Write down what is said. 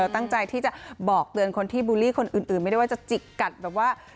ตั้งใจที่จะบอกเตือนคนที่บูลลี่คนอื่นไม่ได้ว่าจะจิกกัดแบบว่า